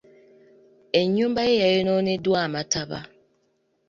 Ennyumba ye yayonooneddwa amataba.